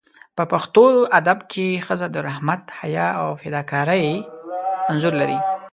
په پښتو ادب کې ښځه د رحمت، حیا او فداکارۍ انځور لري.